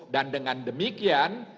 dan dengan demikian